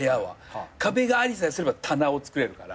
壁がありさえすれば棚を作れるから。